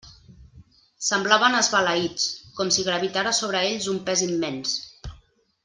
Semblaven esbalaïts, com si gravitara sobre ells un pes immens.